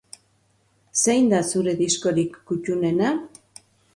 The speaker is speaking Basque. Zein da zure diskorik kuttunena?